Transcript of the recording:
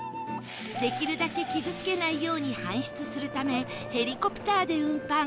できるだけ傷つけないように搬出するためヘリコプターで運搬